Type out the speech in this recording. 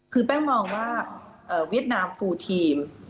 คือแป้งมองว่าเวียดนามปูทีม